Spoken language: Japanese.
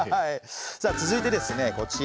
続いてですねこちら。